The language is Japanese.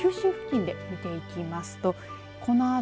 九州付近で見ていきますと